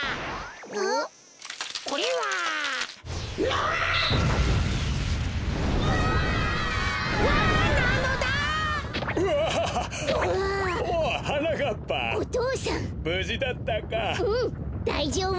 うんだいじょうぶ！